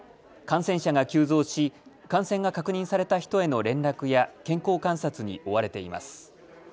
感染者が急増し、感染が確認された人への連絡や健康観察に追われています。